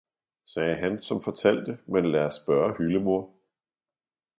sagde han, som fortalte, men lad os spørge hyldemor!